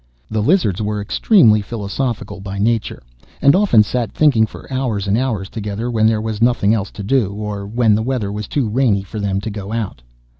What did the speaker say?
The Lizards were extremely philosophical by nature, and often sat thinking for hours and hours together, when there was nothing else to do, or when the weather was too rainy for them to go out.